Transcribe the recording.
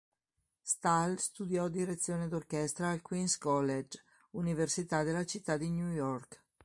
Stahl studiò direzione d'orchestra al Queens College, Università della Città di New York.